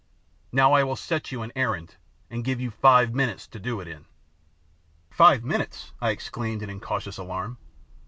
Now I will set you an errand, and give you five minutes to do it in." "Five minutes!" I exclaimed in incautious alarm.